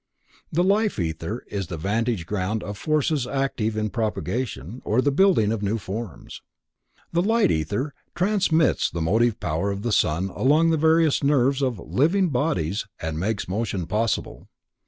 The Life Ether is the vantage ground of forces active in propagation, or the building of new forms. The Light Ether transmits the motive power of the sun along the various nerves of living bodies and makes motion possible.